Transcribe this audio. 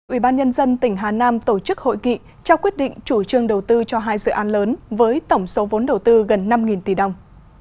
ủy ban nhân dân tỉnh hà nam tổ chức hội kỵ trao quyết định chủ trương đầu tư cho hai dự án lớn với tổng số vốn đầu tư gần năm tỷ đồng